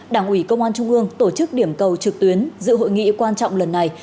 đảng ủy công an trung ương tổ chức điểm cầu trực tuyến dự hội nghị quan trọng lần này